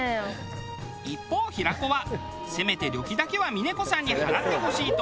一方平子は「せめて旅費だけは峰子さんに払ってほしい」とお願い。